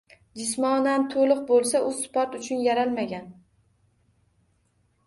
Jismonan to‘liq bo‘lsa, u sport uchun yaralmagan.